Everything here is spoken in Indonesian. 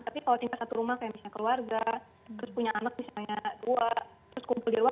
tapi kalau tinggal satu rumah kayak misalnya keluarga terus punya anak misalnya dua terus kumpul di rumah